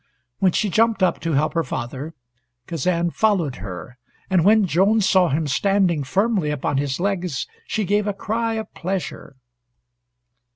When she jumped up to help her father, Kazan followed her, and when Joan saw him standing firmly upon his legs she gave a cry of pleasure.